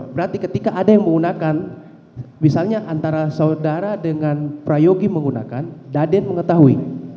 berarti ketika ada yang menggunakan misalnya antara saudara dengan prayogi menggunakan daden mengetahui